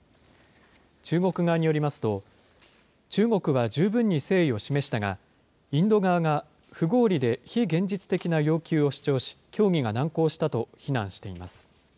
中国側によりますと、中国は十分に誠意を示したが、インド側が不合理で非現実的な要求を主張し、協議が難航したと非難しています。